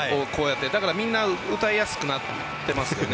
だから、みんな歌いやすくなっていますよね。